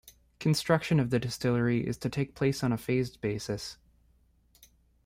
Construction of the distillery is to take place on a phased basis.